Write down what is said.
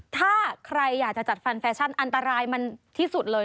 ถ้าใครอยากจะจัดฟันแฟชั่นอันตรายมันที่สุดเลย